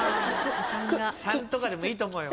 ３とかでもいいと思うよ。